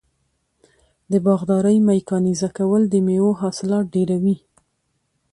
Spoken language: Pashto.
د باغدارۍ میکانیزه کول د میوو حاصلات ډیروي.